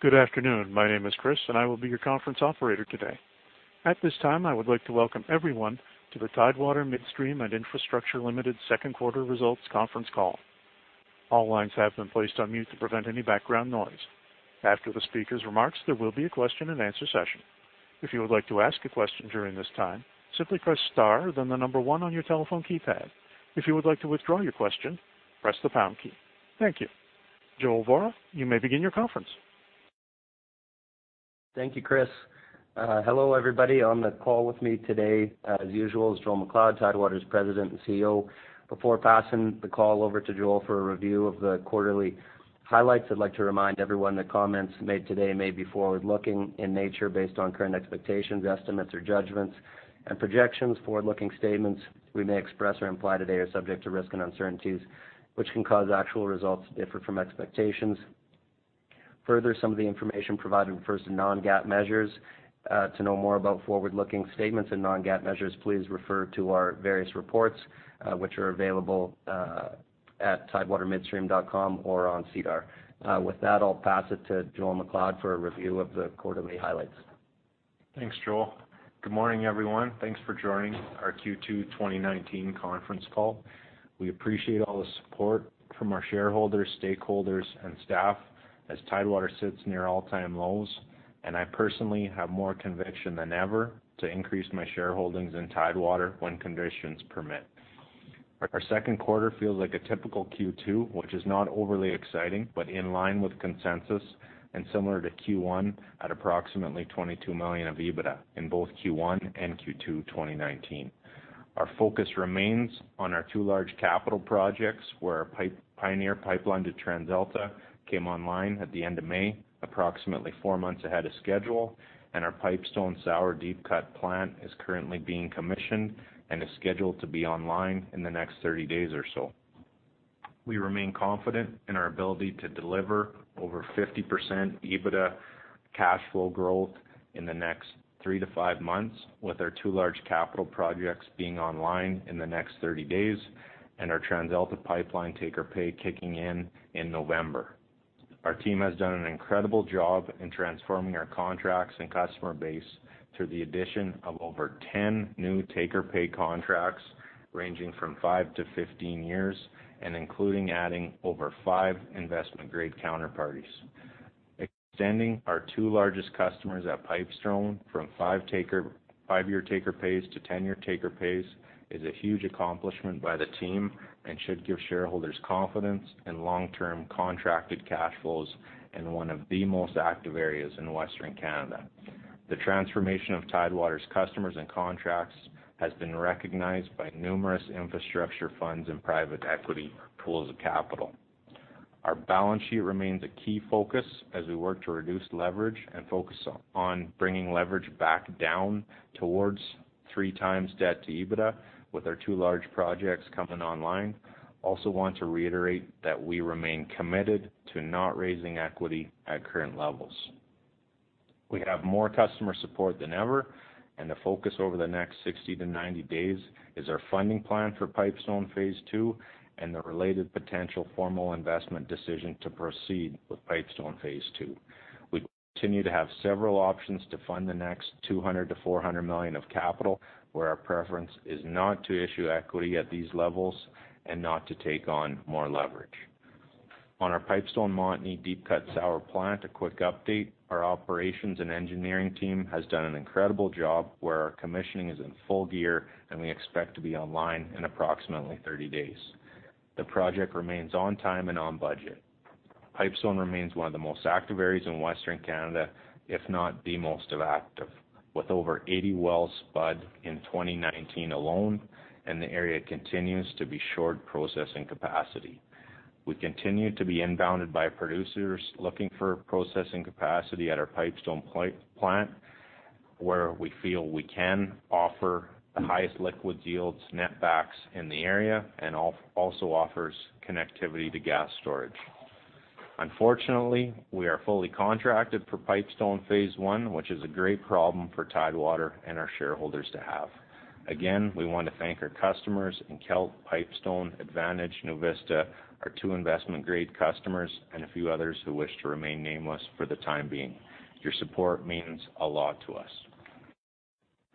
Good afternoon. My name is Chris, and I will be your Conference Operator today. At this time, I would like to welcome everyone to the Tidewater Midstream and Infrastructure Limited second quarter results conference call. All lines have been placed on mute to prevent any background noise. After the speaker's remarks, there will be a question and answer session. If you would like to ask a question during this time, simply press star, then the number 1 on your telephone keypad. If you would like to withdraw your question, press the pound key. Thank you. Joel Vohra, you may begin your conference. Thank you, Chris. Hello, everybody. On the call with me today, as usual, is Joel MacLeod, Tidewater's President and CEO. Before passing the call over to Joel for a review of the quarterly highlights, I'd like to remind everyone that comments made today may be forward-looking in nature based on current expectations, estimates or judgments, and projections. Forward-looking statements we may express or imply today are subject to risk and uncertainties, which can cause actual results to differ from expectations. Some of the information provided refers to non-GAAP measures. To know more about forward-looking statements and non-GAAP measures, please refer to our various reports, which are available at tidewatermidstream.com or on SEDAR. With that, I'll pass it to Joel MacLeod for a review of the quarterly highlights. Thanks, Joel. Good morning, everyone. Thanks for joining our Q2 2019 conference call. We appreciate all the support from our shareholders, stakeholders and staff as Tidewater sits near all-time lows, and I personally have more conviction than ever to increase my shareholdings in Tidewater when conditions permit. Our second quarter feels like a typical Q2, which is not overly exciting, but in line with consensus and similar to Q1 at approximately 22 million of EBITDA in both Q1 and Q2 2019. Our focus remains on our two large capital projects, where our Pioneer pipeline to TransAlta came online at the end of May, approximately four months ahead of schedule, and our Pipestone sour deep cut plant is currently being commissioned and is scheduled to be online in the next 30 days or so. We remain confident in our ability to deliver over 50% EBITDA cash flow growth in the next 3-5 months with our two large capital projects being online in the next 30 days and our TransAlta pipeline take-or-pay kicking in in November. Our team has done an incredible job in transforming our contracts and customer base through the addition of over 10 new take-or-pay contracts ranging from 5-15 years and including adding over five investment-grade counterparties. Extending our two largest customers at Pipestone from five-year take-or-pays to 10-year take-or-pays is a huge accomplishment by the team and should give shareholders confidence in long-term contracted cash flows in one of the most active areas in Western Canada. The transformation of Tidewater's customers and contracts has been recognized by numerous infrastructure funds and private equity pools of capital. Our balance sheet remains a key focus as we work to reduce leverage and focus on bringing leverage back down towards 3 times debt to EBITDA with our two large projects coming online. Also want to reiterate that we remain committed to not raising equity at current levels. We have more customer support than ever, and the focus over the next 60 to 90 days is our funding plan for Pipestone Phase 2 and the related potential formal investment decision to proceed with Pipestone Phase 2. We continue to have several options to fund the next 200 million-400 million of capital, where our preference is not to issue equity at these levels and not to take on more leverage. On our Pipestone Montney deep cut sour plant, a quick update. Our operations and engineering team has done an incredible job where our commissioning is in full gear, and we expect to be online in approximately 30 days. The project remains on time and on budget. Pipestone remains one of the most active areas in Western Canada, if not the most active, with over 80 wells spud in 2019 alone, and the area continues to be short processing capacity. We continue to be inbounded by producers looking for processing capacity at our Pipestone plant, where we feel we can offer the highest liquids yields netbacks in the area and also offers connectivity to gas storage. Unfortunately, we are fully contracted for Pipestone Phase 1, which is a great problem for Tidewater and our shareholders to have. Again, we want to thank our customers Encana Pipestone, Advantage, NuVista, our two investment-grade customers, and a few others who wish to remain nameless for the time being. Your support means a lot to us.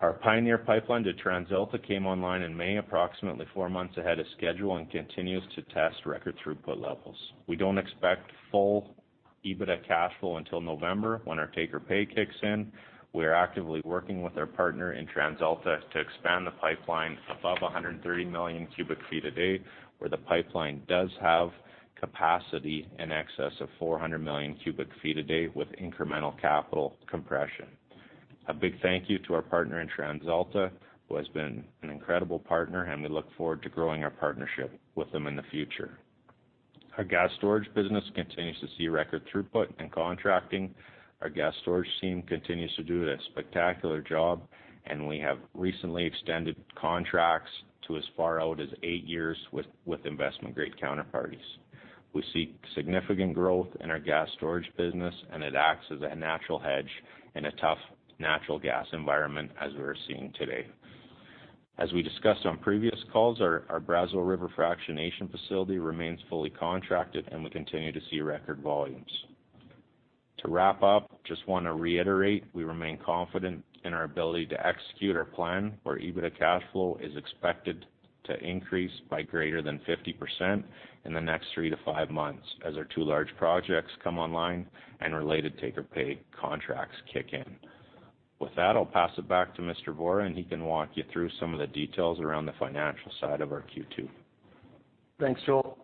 Our Pioneer pipeline to TransAlta came online in May, approximately four months ahead of schedule, and continues to test record throughput levels. We don't expect full EBITDA cash flow until November when our take-or-pay kicks in. We are actively working with our partner in TransAlta to expand the pipeline above 130 million cubic feet a day, where the pipeline does have capacity in excess of 400 million cubic feet a day with incremental capital compression. A big thank you to our partner in TransAlta, who has been an incredible partner, and we look forward to growing our partnership with them in the future. Our gas storage business continues to see record throughput and contracting. Our gas storage team continues to do a spectacular job. We have recently extended contracts to as far out as 8 years with investment-grade counterparties. We see significant growth in our gas storage business. It acts as a natural hedge in a tough natural gas environment as we're seeing today. As we discussed on previous calls, our Brazeau River fractionation facility remains fully contracted. We continue to see record volumes. To wrap up, just want to reiterate, we remain confident in our ability to execute our plan, where EBITDA cash flow is expected to increase by greater than 50% in the next three to five months as our two large projects come online and related take-or-pay contracts kick in. With that, I'll pass it back to Mr. Vohra. He can walk you through some of the details around the financial side of our Q2. Thanks, Joel.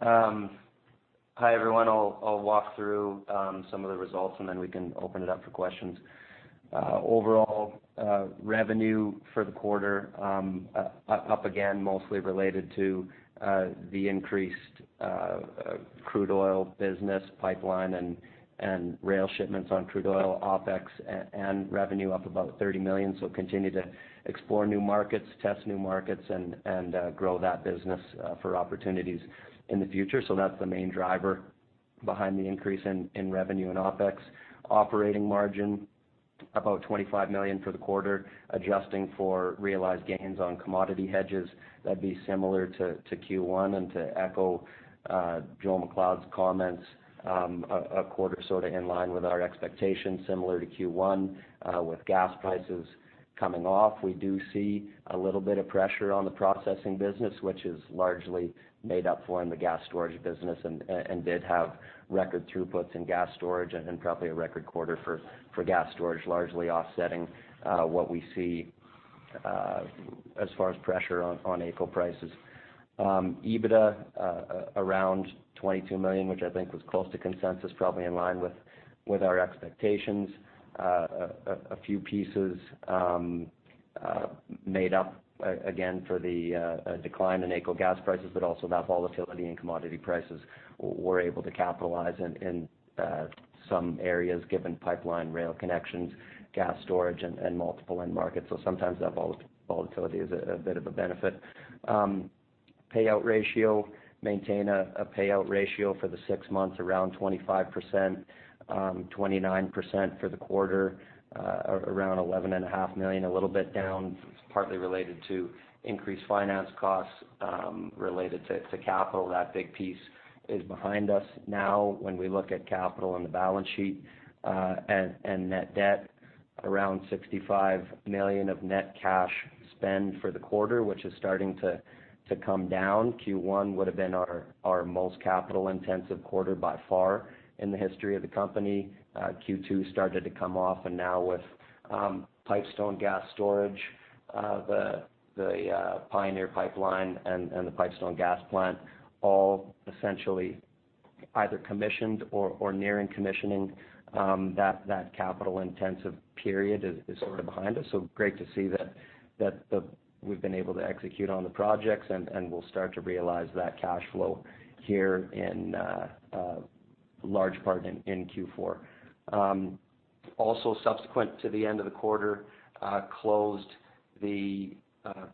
Hi, everyone. I'll walk through some of the results, then we can open it up for questions. Overall, revenue for the quarter up again, mostly related to the increased crude oil business pipeline and rail shipments on crude oil OpEx and revenue up about 30 million. Continue to explore new markets, test new markets, and grow that business for opportunities in the future. That's the main driver behind the increase in revenue and OpEx. Operating margin, about 25 million for the quarter. Adjusting for realized gains on commodity hedges, that'd be similar to Q1. To echo Joel MacLeod's comments, a quarter sort of in line with our expectations, similar to Q1. With gas prices coming off, we do see a little bit of pressure on the processing business, which is largely made up for in the gas storage business and did have record throughputs in gas storage and probably a record quarter for gas storage, largely offsetting what we see as far as pressure on AECO prices. EBITDA, around 22 million, which I think was close to consensus, probably in line with our expectations. A few pieces made up again for the decline in AECO gas prices, but also that volatility in commodity prices, we're able to capitalize in some areas, given pipeline rail connections, gas storage, and multiple end markets. Sometimes that volatility is a bit of a benefit. Payout ratio, maintain a payout ratio for the six months around 25%, 29% for the quarter, around 11.5 million, a little bit down, partly related to increased finance costs related to capital. That big piece is behind us now when we look at capital on the balance sheet and net debt around 65 million of net cash spend for the quarter, which is starting to come down. Q1 would've been our most capital-intensive quarter by far in the history of the company. Q2 started to come off. Now with Pipestone Gas Storage, the Pioneer Pipeline, and the Pipestone Gas Plant all essentially either commissioned or near in commissioning, that capital-intensive period is sort of behind us. Great to see that we've been able to execute on the projects, and we'll start to realize that cash flow here in large part in Q4. Subsequent to the end of the quarter, closed the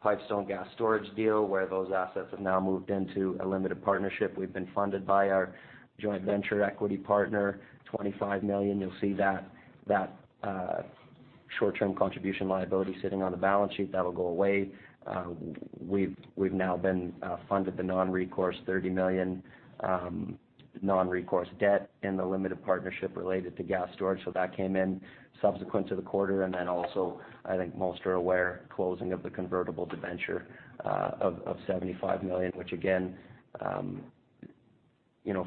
Pipestone gas storage deal where those assets have now moved into a limited partnership. We've been funded by our joint venture equity partner, 25 million. You'll see that short-term contribution liability sitting on the balance sheet. That'll go away. We've now been funded the non-recourse 30 million non-recourse debt in the limited partnership related to gas storage. That came in subsequent to the quarter. I think most are aware, closing of the convertible debenture of 75 million, which again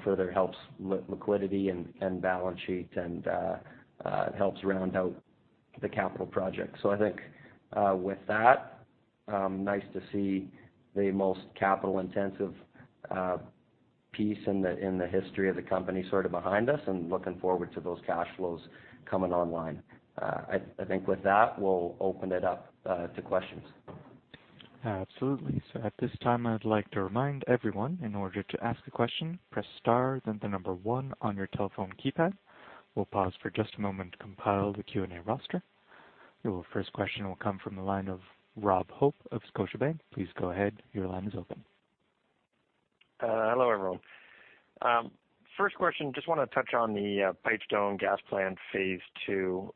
further helps liquidity and balance sheets and helps round out the capital project. I think, with that, nice to see the most capital-intensive piece in the history of the company sort of behind us and looking forward to those cash flows coming online. I think with that, we'll open it up to questions. Absolutely. At this time, I'd like to remind everyone, in order to ask a question, press star, then the number 1 on your telephone keypad. We'll pause for just a moment to compile the Q&A roster. Your first question will come from the line of Rob Hope of Scotiabank. Please go ahead. Your line is open. Hello, everyone. First question, just want to touch on the Pipestone Phase 2.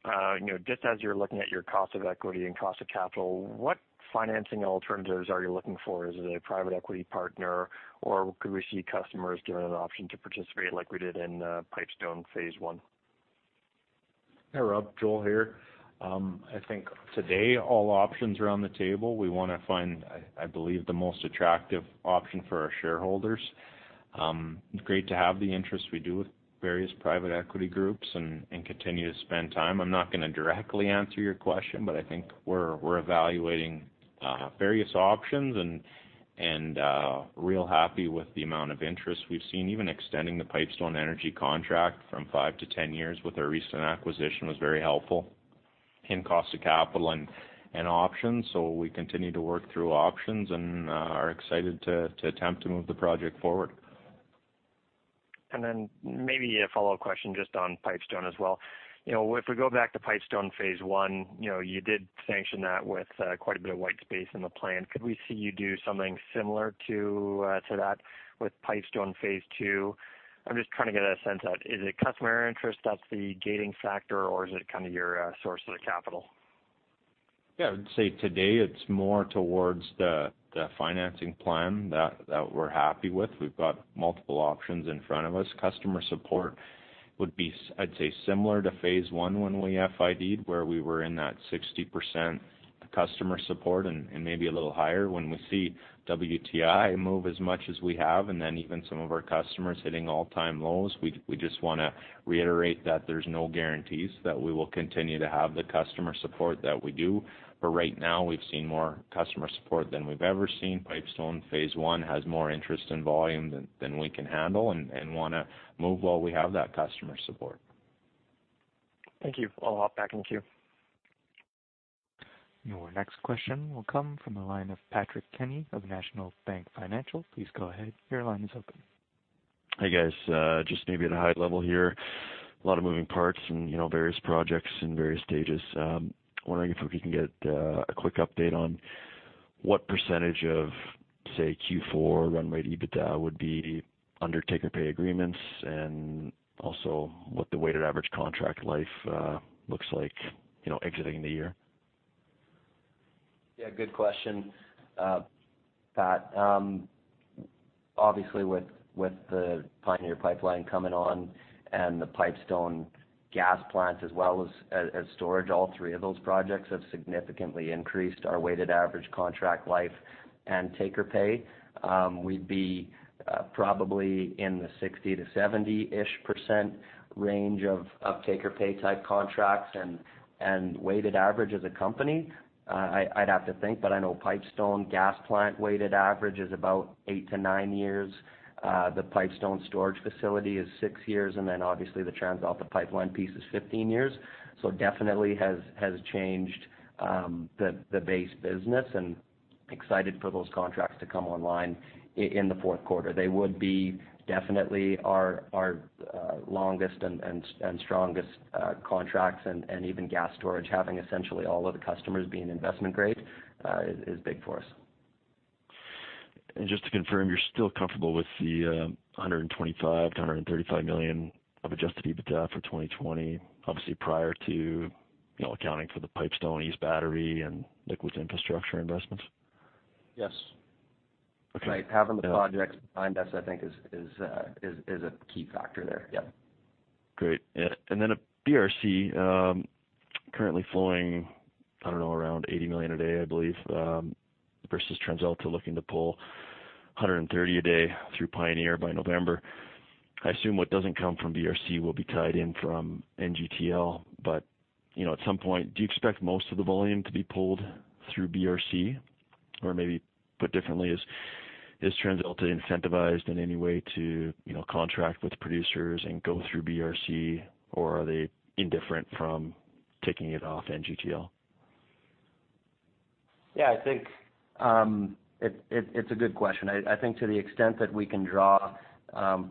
Just as you're looking at your cost of equity and cost of capital, what financing alternatives are you looking for? Is it a private equity partner, or could we see customers given an option to participate like we did in Pipestone Phase 1? Hey, Rob. Joel here. I think today all options are on the table. We want to find, I believe, the most attractive option for our shareholders. It's great to have the interest we do with various private equity groups and continue to spend time. I'm not going to directly answer your question, but I think we're evaluating various options and real happy with the amount of interest we've seen. Even extending the Pipestone Energy contract from five to 10 years with our recent acquisition was very helpful in cost of capital and options. We continue to work through options and are excited to attempt to move the project forward. Then maybe a follow-up question just on Pipestone as well. If we go back to Pipestone Phase 1, you did sanction that with quite a bit of white space in the plan. Could we see you do something similar to that with Pipestone Phase 2? I'm just trying to get a sense that is it customer interest that's the gating factor, or is it your source of the capital? Yeah, I would say today it's more towards the financing plan that we're happy with. We've got multiple options in front of us. Customer support would be, I'd say, similar to Phase 1 when we FID, where we were in that 60% customer support and maybe a little higher. When we see WTI move as much as we have, and then even some of our customers hitting all-time lows, we just want to reiterate that there's no guarantees that we will continue to have the customer support that we do. Right now, we've seen more customer support than we've ever seen. Pipestone Phase 1 has more interest in volume than we can handle and want to move while we have that customer support. Thank you. I'll hop back in the queue. Your next question will come from the line of Patrick Kenny of National Bank Financial. Please go ahead. Your line is open. Hi, guys. Just maybe at a high level here, a lot of moving parts and various projects in various stages. I'm wondering if we can get a quick update on what % of, say, Q4 run rate EBITDA would be under take-or-pay agreements, and also what the weighted average contract life looks like exiting the year. Good question, Pat. Obviously, with the Pioneer Pipeline coming on and the Pipestone gas plant, as well as storage, all three of those projects have significantly increased our weighted average contract life and take-or-pay. We'd be probably in the 60%-70%-ish range of take-or-pay type contracts and weighted average as a company. I'd have to think, but I know Pipestone gas plant weighted average is about 8-9 years. The Pipestone storage facility is six years, and then obviously the TransAlta pipeline piece is 15 years. Definitely has changed the base business and excited for those contracts to come online in the fourth quarter. They would be definitely our longest and strongest contracts, and even gas storage, having essentially all of the customers being investment-grade is big for us. Just to confirm, you're still comfortable with the 125 million-135 million of adjusted EBITDA for 2020, obviously prior to accounting for the Pipestone East Battery, and liquids infrastructure investments? Yes. Okay. Having the projects behind us, I think is a key factor there. Yeah. Great. BRC, currently flowing, I don't know, around 80 million a day, I believe, versus TransAlta looking to pull 130 a day through Pioneer by November. I assume what doesn't come from BRC will be tied in from NGTL. At some point, do you expect most of the volume to be pulled through BRC? Maybe put differently, is TransAlta incentivized in any way to contract with producers and go through BRC, or are they indifferent from taking it off NGTL? Yeah, I think it's a good question. I think to the extent that we can draw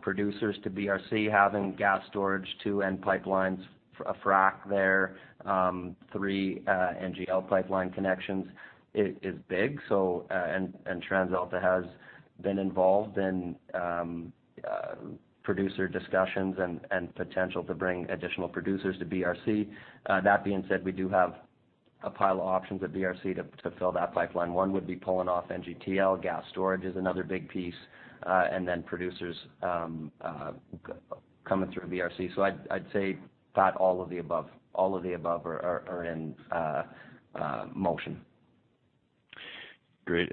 producers to BRC, having gas storage too, and pipelines, a frac there, three NGL pipeline connections, is big. TransAlta has been involved in producer discussions and potential to bring additional producers to BRC. That being said, we do have a pile of options at BRC to fill that pipeline. One would be pulling off NGTL. Gas storage is another big piece, and then producers coming through BRC. I'd say that all of the above are in motion. Great.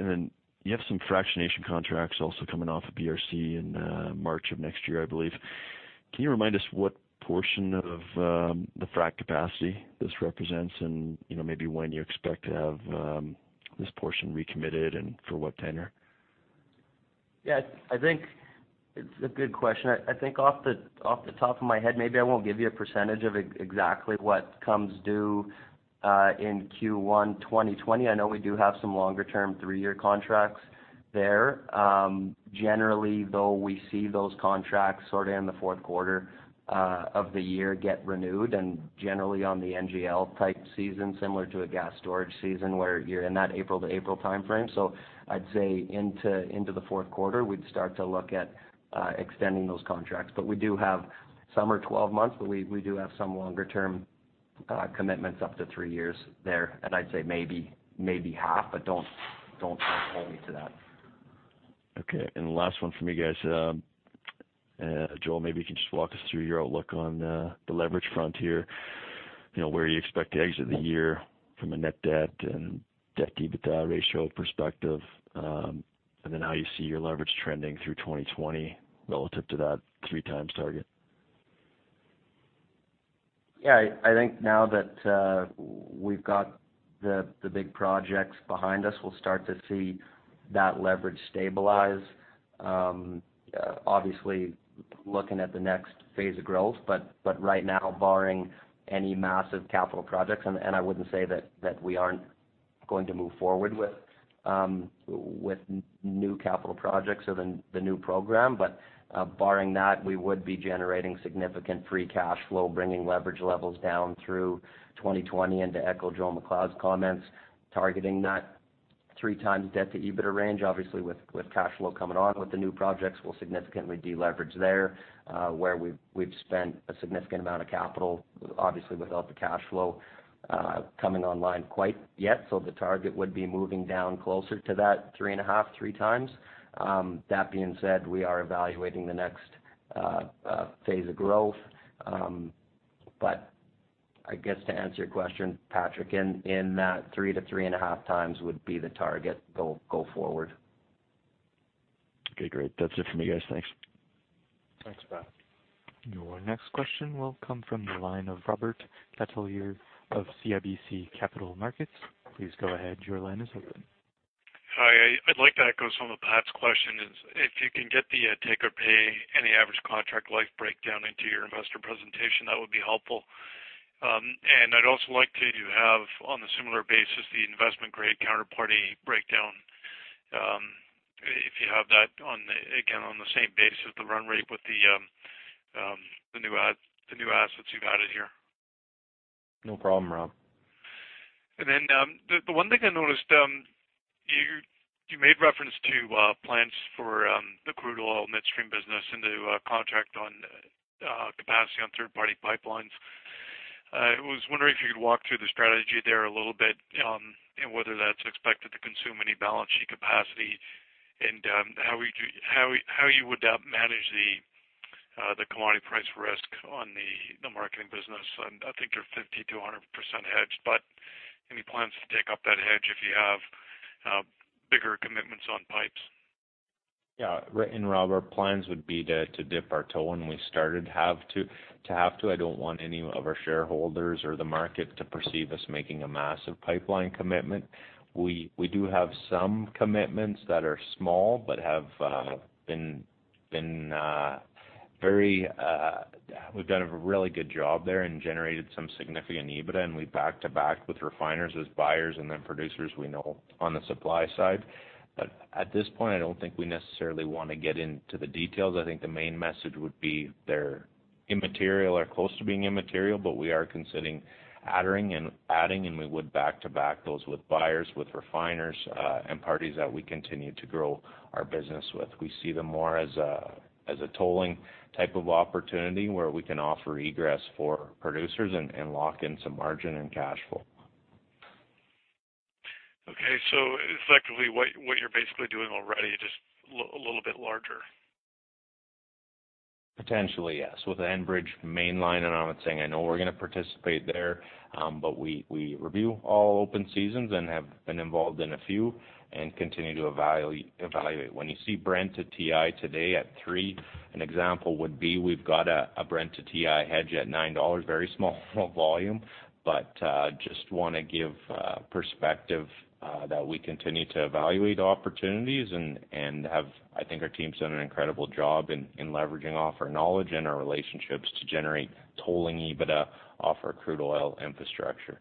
You have some fractionation contracts also coming off of BRC in March of next year, I believe. Can you remind us what portion of the frac capacity this represents and maybe when you expect to have this portion recommitted and for what tenure? Yeah, I think it's a good question. I think off the top of my head, maybe I won't give you a % of exactly what comes due in Q1 2020. I know we do have some longer-term three-year contracts there. Generally, though, we see those contracts sort of in the fourth quarter of the year get renewed, and generally on the NGL type season, similar to a gas storage season, where you're in that April to April timeframe. I'd say into the fourth quarter, we'd start to look at extending those contracts. We do have some are 12 months, but we do have some longer-term commitments up to three years there. I'd say maybe half, but don't hold me to that. Okay, the last one from me, guys. Joel, maybe you can just walk us through your outlook on the leverage front here, where you expect to exit the year from a net debt and debt-to-EBITDA ratio perspective, and then how you see your leverage trending through 2020 relative to that three times target? Yeah, I think now that we've got the big projects behind us, we'll start to see that leverage stabilize. Obviously, looking at the next phase of growth, but right now, barring any massive capital projects, and I wouldn't say that we aren't going to move forward with new capital projects or the new program. Barring that, we would be generating significant free cash flow, bringing leverage levels down through 2020, and to echo Joel MacLeod's comments, targeting that Three times debt to EBITDA range. Obviously, with cash flow coming on with the new projects, we'll significantly deleverage there, where we've spent a significant amount of capital, obviously without the cash flow coming online quite yet. The target would be moving down closer to that three and a half, three times. That being said, we are evaluating the next phase of growth. I guess to answer your question, Patrick, in that three to three and a half times would be the target go forward. Okay, great. That's it from me, guys. Thanks. Thanks, Pat. Your next question will come from the line of Robert Catellier of CIBC Capital Markets. Please go ahead. Your line is open. Hi. I'd like to echo some of Pat's questions. If you can get the take-or-pay and the average contract life breakdown into your investor presentation, that would be helpful. I'd also like to have, on a similar basis, the investment-grade counterparty breakdown, if you have that, again, on the same basis, the run rate with the new assets you've added here. No problem, Rob. The one thing I noticed, you made reference to plans for the crude oil midstream business and the contract on capacity on third-party pipelines. I was wondering if you could walk through the strategy there a little bit and whether that's expected to consume any balance sheet capacity and how you would manage the commodity price risk on the marketing business? I think you're 50%-100% hedged, but any plans to take up that hedge if you have bigger commitments on pipes? Yeah. Rob, our plans would be to dip our toe when we started to have to. I don't want any of our shareholders or the market to perceive us making a massive pipeline commitment. We do have some commitments that are small but we've done a really good job there and generated some significant EBITDA, and we back-to-back with refiners as buyers and then producers we know on the supply side. At this point, I don't think we necessarily want to get into the details. I think the main message would be they're immaterial or close to being immaterial, but we are considering adding, and we would back-to-back those with buyers, with refiners, and parties that we continue to grow our business with. We see them more as a tolling type of opportunity where we can offer egress for producers and lock in some margin and cash flow. Okay. Effectively, what you're basically doing already, just a little bit larger. Potentially, yes. With Enbridge Mainline and Anomset, I know we're going to participate there, but we review all open seasons and have been involved in a few and continue to evaluate. When you see Brent to WTI today at three, an example would be we've got a Brent to WTI hedge at 9 dollars, very small volume. Just want to give perspective that we continue to evaluate opportunities and I think our team's done an incredible job in leveraging off our knowledge and our relationships to generate tolling EBITDA off our crude oil infrastructure.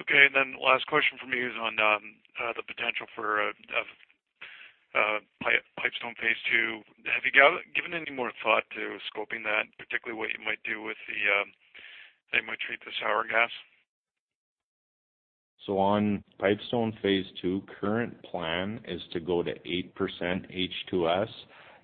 Okay, last question from me is on the potential for Pipestone Phase 2. Have you given any more thought to scoping that, particularly what you might do, they might treat the sour gas? On Pipestone Phase 2, current plan is to go to 8% H2S.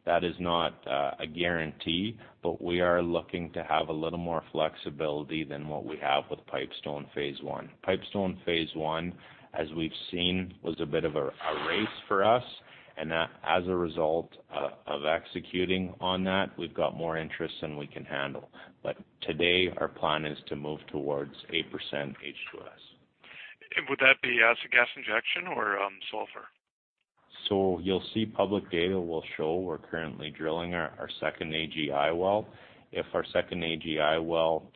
That is not a guarantee, but we are looking to have a little more flexibility than what we have with Pipestone Phase 1. Pipestone Phase 1, as we've seen, was a bit of a race for us, and as a result of executing on that, we've got more interest than we can handle. Today, our plan is to move towards 8% H2S. Would that be acid gas injection or sulfur? You'll see public data will show we're currently drilling our second AGI well. If our second AGI well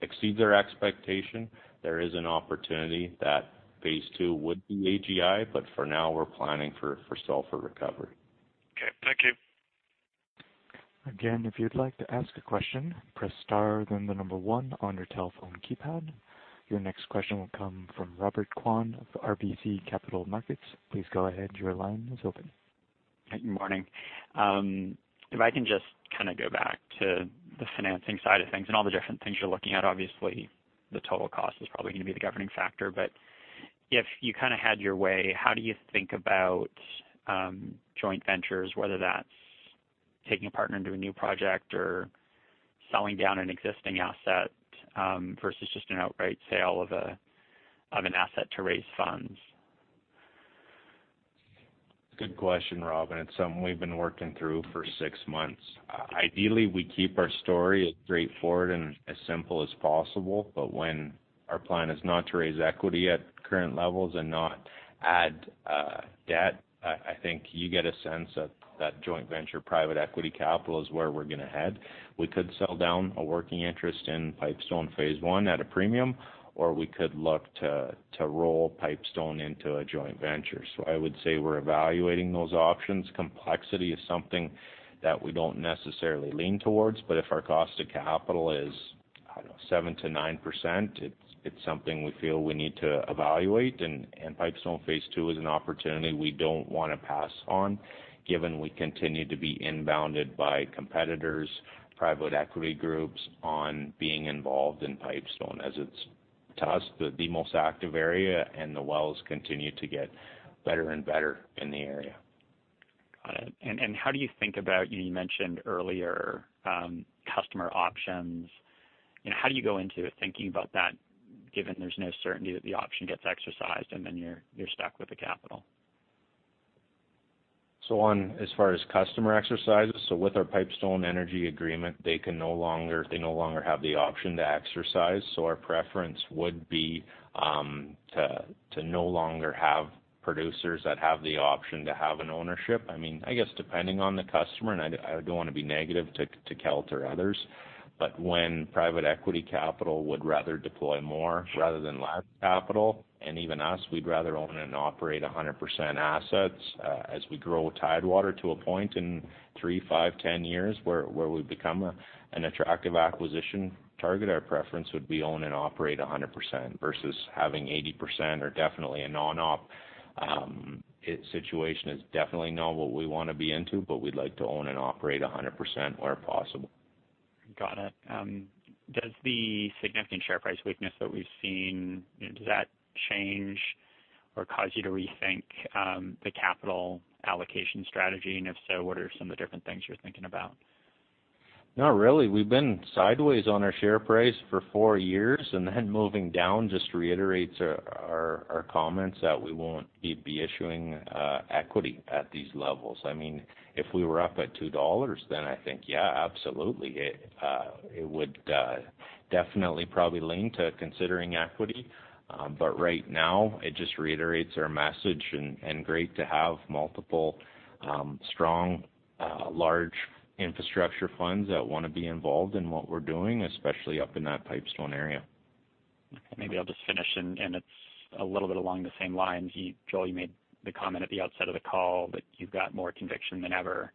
exceeds our expectation, there is an opportunity that phase 2 would be AGI. For now, we're planning for sulfur recovery. Okay. Thank you. Again, if you'd like to ask a question, press star, then the number 1 on your telephone keypad. Your next question will come from Robert Kwan of RBC Capital Markets. Please go ahead. Your line is open. Good morning. If I can just go back to the financing side of things and all the different things you're looking at. Obviously, the total cost is probably going to be the governing factor. If you had your way, how do you think about joint ventures, whether that's taking a partner into a new project or selling down an existing asset versus just an outright sale of an asset to raise funds? Good question, Rob. It's something we've been working through for six months. Ideally, we keep our story as straightforward and as simple as possible. When our plan is not to raise equity at current levels and not add debt, I think you get a sense that joint venture private equity capital is where we're going to head. We could sell down a working interest in Pipestone Phase 1 at a premium, or we could look to roll Pipestone into a joint venture. I would say we're evaluating those options. Complexity is something that we don't necessarily lean towards. If our cost of capital is, I don't know, 7%-9%, it's something we feel we need to evaluate. Pipestone Phase 2 is an opportunity we don't want to pass on given we continue to be inbounded by competitors, private equity groups on being involved in Pipestone as it's, to us, the most active area and the wells continue to get better and better in the area. Got it. How do you think about, you mentioned earlier, customer options? How do you go into it thinking about that, given there's no certainty that the option gets exercised and then you're stuck with the capital? On, as far as customer exercises, so with our Pipestone Energy agreement, they no longer have the option to exercise. Our preference would be to no longer have producers that have the option to have an ownership. I guess depending on the customer, and I don't want to be negative to Kelt or others, but when private equity capital would rather deploy more rather than less capital, and even us, we'd rather own and operate 100% assets as we grow Tidewater to a point in three, five, 10 years where we become an attractive acquisition target. Our preference would be own and operate 100% versus having 80% or definitely a non-op situation is definitely not what we want to be into, but we'd like to own and operate 100% where possible. Got it. Does the significant share price weakness that we've seen, does that change or cause you to rethink the capital allocation strategy? If so, what are some of the different things you're thinking about? Not really. We've been sideways on our share price for four years. Moving down just reiterates our comments that we won't be issuing equity at these levels. If we were up at 2 dollars, I think, yeah, absolutely, it would definitely probably lean to considering equity. Right now, it just reiterates our message. Great to have multiple strong large infrastructure funds that want to be involved in what we're doing, especially up in that Pipestone area. Maybe I'll just finish, and it's a little bit along the same lines. Joel, you made the comment at the outset of the call that you've got more conviction than ever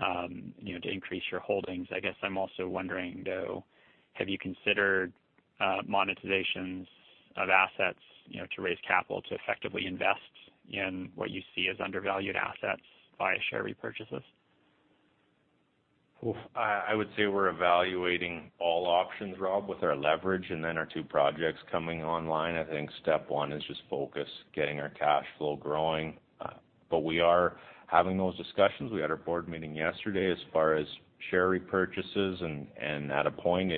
to increase your holdings. I guess I'm also wondering, though, have you considered monetizations of assets to raise capital to effectively invest in what you see as undervalued assets via share repurchases? I would say we're evaluating all options, Rob, with our leverage and then our two projects coming online. I think step one is just focus, getting our cash flow growing. We are having those discussions. We had our board meeting yesterday as far as share repurchases, and at a point,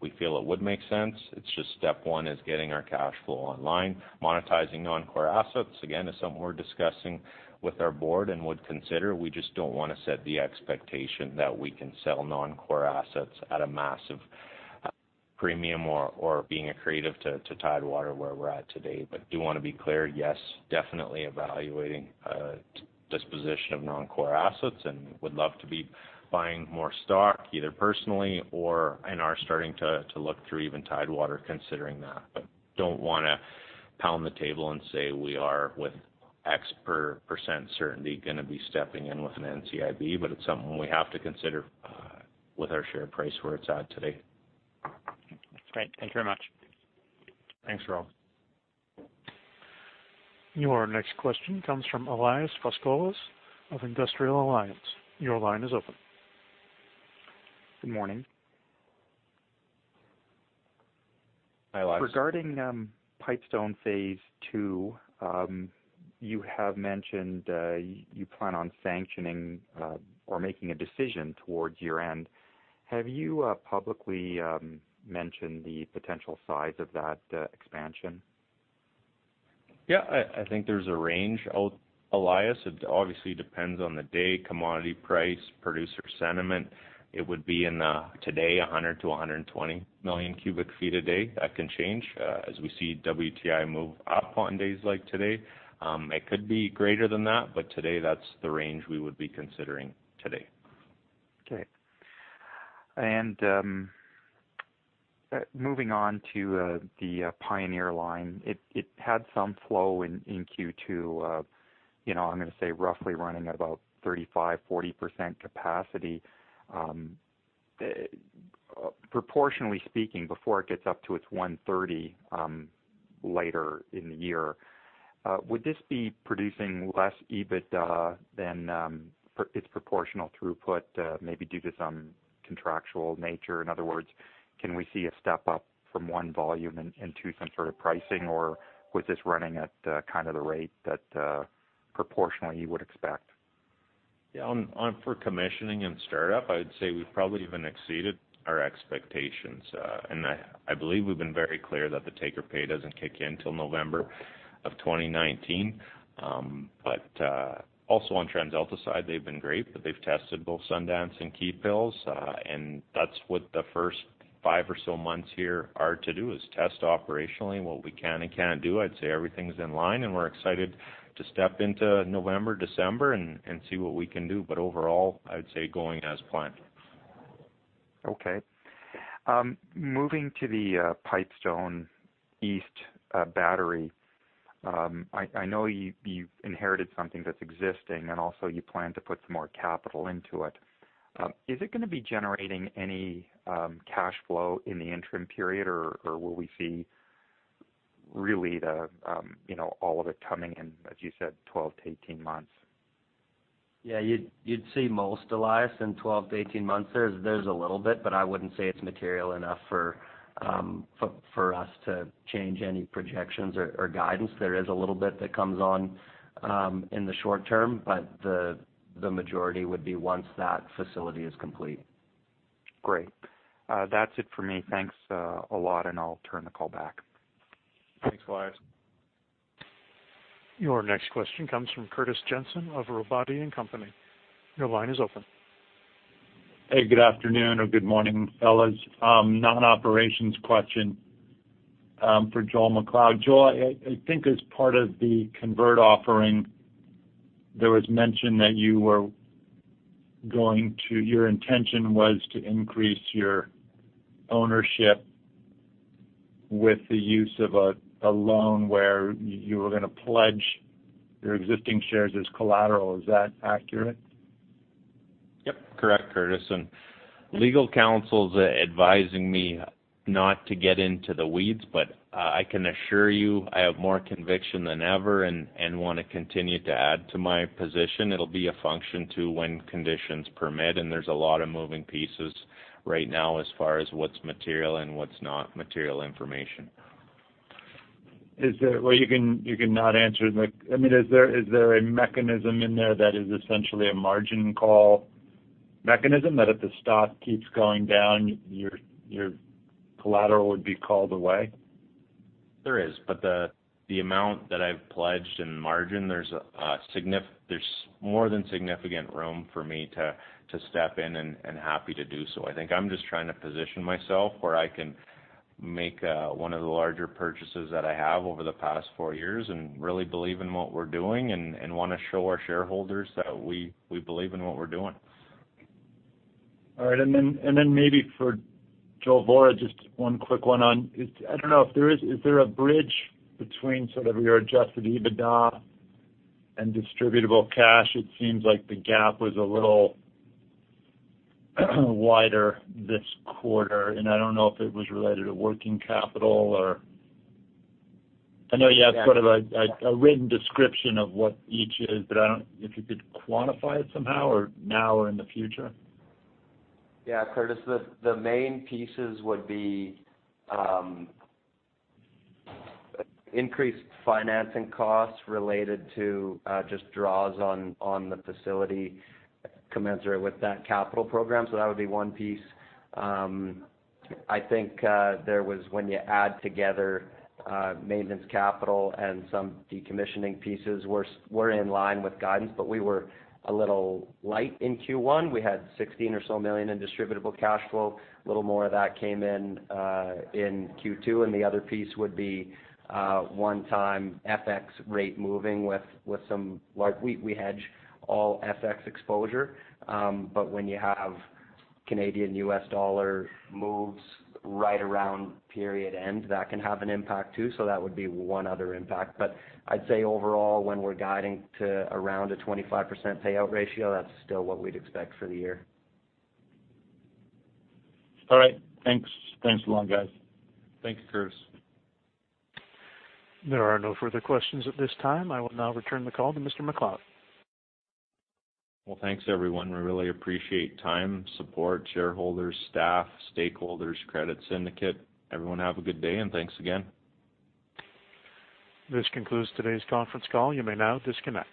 we feel it would make sense. It's just step one is getting our cash flow online. Monetizing non-core assets, again, is something we're discussing with our board and would consider. We just don't want to set the expectation that we can sell non-core assets at a massive premium or being accretive to Tidewater where we're at today. Do want to be clear, yes, definitely evaluating disposition of non-core assets and would love to be buying more stock either personally or, and are starting to look through even Tidewater considering that. Don't want to pound the table and say we are with X% certainty going to be stepping in with an NCIB, but it's something we have to consider with our share price where it's at today. Great. Thank you very much. Thanks, Rob. Your next question comes from Elias Fasoulos of Industrial Alliance. Your line is open. Good morning. Hi, Elias. Regarding Pipestone Phase 2, you have mentioned you plan on sanctioning or making a decision towards year-end. Have you publicly mentioned the potential size of that expansion? Yeah, I think there's a range, Elias. It obviously depends on the day, commodity price, producer sentiment. It would be in the, today, 100 to 120 million cubic feet a day. That can change. As we see WTI move up on days like today, it could be greater than that, but today, that's the range we would be considering today. Okay. Moving on to the Pioneer line. It had some flow in Q2 of, I'm going to say roughly running about 35%-40% capacity. Proportionally speaking, before it gets up to its 130 later in the year, would this be producing less EBITDA than its proportional throughput maybe due to some contractual nature? In other words, can we see a step up from one volume into some sort of pricing, or was this running at the rate that proportionally you would expect? Yeah. For commissioning and startup, I'd say we've probably even exceeded our expectations. I believe we've been very clear that the take-or-pay doesn't kick in till November of 2019. Also on TransAlta's side, they've been great that they've tested both Sundance and Keephills. That's what the first five or so months here are to do, is test operationally what we can and can't do. I'd say everything's in line, and we're excited to step into November, December and see what we can do. Overall, I'd say going as planned. Okay. Moving to the Pipestone East battery. I know you've inherited something that's existing, and also you plan to put some more capital into it. Is it going to be generating any cash flow in the interim period, or will we see really all of it coming in, as you said, 12-18 months? Yeah, you'd see most, Elias, in 12 to 18 months. There's a little bit, but I wouldn't say it's material enough for us to change any projections or guidance. There is a little bit that comes on in the short term, but the majority would be once that facility is complete. Great. That's it for me. Thanks a lot, and I'll turn the call back. Thanks, Elias. Your next question comes from Curtis Jensen of Robotti & Company. Your line is open. Hey, good afternoon or good morning, fellas. Non-operations question for Joel MacLeod. Joel, I think as part of the convert offering, there was mention that your intention was to increase your ownership with the use of a loan where you were going to pledge your existing shares as collateral. Is that accurate? Yep. Correct, Curtis, and legal counsel is advising me not to get into the weeds, but I can assure you, I have more conviction than ever and want to continue to add to my position. It'll be a function to when conditions permit, and there's a lot of moving pieces right now as far as what's material and what's not material information. Well, you can not answer. Is there a mechanism in there that is essentially a margin call mechanism that if the stock keeps going down, your collateral would be called away? There is, but the amount that I've pledged in margin, there's more than significant room for me to step in and happy to do so. I think I'm just trying to position myself where I can make one of the larger purchases that I have over the past four years and really believe in what we're doing and want to show our shareholders that we believe in what we're doing. All right. Then maybe for Joel Vohra, just one quick one on. I don't know, is there a bridge between sort of your adjusted EBITDA and distributable cash? It seems like the gap was a little wider this quarter, and I don't know if it was related to working capital or I know you have sort of a written description of what each is, but if you could quantify it somehow, now or in the future. Yeah. Curtis, the main pieces would be increased financing costs related to just draws on the facility commensurate with that capital program. That would be one piece. I think there was when you add together maintenance capital and some decommissioning pieces were in line with guidance, but we were a little light in Q1. We had 16 or so million in distributable cash flow. A little more of that came in in Q2, and the other piece would be one-time FX rate moving. We hedge all FX exposure. When you have CAD, U.S. dollar moves right around period end, that can have an impact too. That would be one other impact. I'd say overall, when we're guiding to around a 25% payout ratio, that's still what we'd expect for the year. All right. Thanks. Thanks a lot, guys. Thank you, Curtis. There are no further questions at this time. I will now return the call to Mr. MacLeod. Well, thanks everyone. We really appreciate time, support, shareholders, staff, stakeholders, credit syndicate. Everyone have a good day, and thanks again. This concludes today's conference call. You may now disconnect.